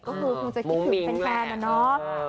ก็คงจะคิดถึงเป็นแฟนแล้วเนาะ